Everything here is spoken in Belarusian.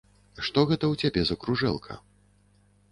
Што гэта ў цябе за кружэлка.